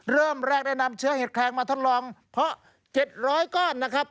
เริ่มแรกได้นำเชื้อเห็ดแคลงมาทดลองเพาะ๗๐๐ก้อนนะครับ